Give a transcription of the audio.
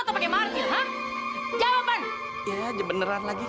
duh udah kaya nanti